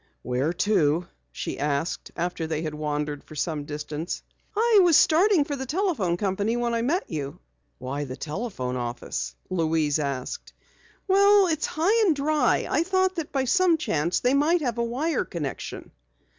"Where to?" she asked after they had wandered for some distance. "I was starting for the telephone company office when I met you." "Why the telephone office?" Louise asked. "Well, it's high and dry. I thought that by some chance they might have a wire connection."